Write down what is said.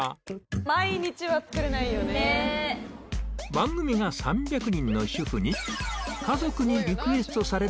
番組が３００人の主婦に「家族にリクエストされるけど」